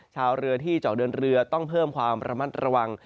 ชาวเรือที่จะออกเดินเรือต้องเพิ่มความระมัดระวัง